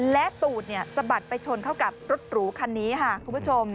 และตูดสะบัดไปชนเข้ากับรถหรูคันนี้ค่ะคุณผู้ชม